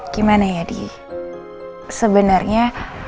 gimana ya di sebenarnya